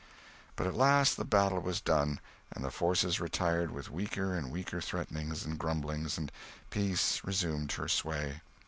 But at last the battle was done, and the forces retired with weaker and weaker threatenings and grumblings, and peace resumed her sway.